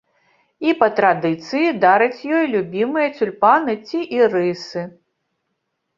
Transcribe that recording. І па традыцыі дарыць ёй любімыя цюльпаны ці ірысы.